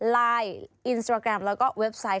ไลน์อินสตราแกรมแล้วก็เว็บไซต์